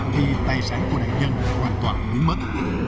thì tài sản của nạn nhân hoàn toàn nướng mất